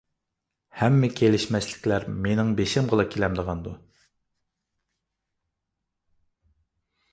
ھەممە كېلىشمەسلىكلەر مېنىڭ بېشىمغىلا كېلەمدىغاندۇ؟